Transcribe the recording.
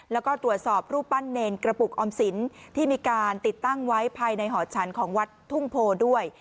แล้วก็ตรวจสอบรูปปั้นเนรกระปุกออมสินที่มีการติดตั้งไว้ภายในหอฉันของวัดทุ่งโพด้วย